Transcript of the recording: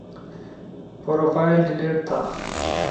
پروفائل ڈیلیٹ تھا